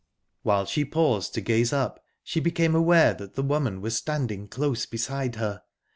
While she paused to gaze up, she became aware that the woman was standing close beside her.